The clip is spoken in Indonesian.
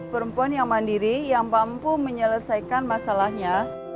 perempuan yang mandiri yang mampu menyelesaikan masalahnya